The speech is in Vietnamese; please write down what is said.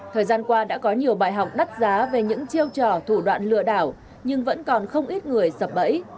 thời gian qua đã có nhiều bài học đắt giá về những chiêu trò thủ đoạn lừa đảo nhưng vẫn còn không ít người sập bẫy